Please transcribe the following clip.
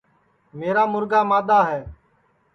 میرا مُرگا مادؔا ہے